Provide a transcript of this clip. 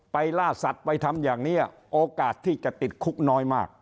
ล่าสัตว์ไปทำอย่างนี้โอกาสที่จะติดคุกน้อยมาก